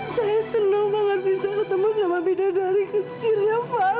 saya senang banget bisa ketemu sama bida dari kecilnya farah